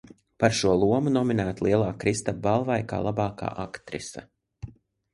Par šo lomu nominēta Lielā Kristapa balvai kā labākā aktrise.